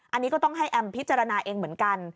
อันนี้ก็ต้องให้แอมพิจารณาเองเหมือนกัน